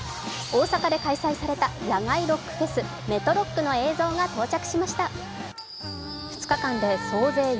大阪で開催された野外ロックフェス、ＭＥＴＲＯＣＫの映像が到着。